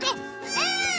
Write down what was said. うん！